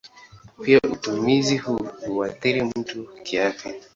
Pia utumizi huu huathiri mtu kiafya.